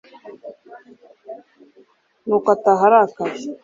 nuko ataha arakaye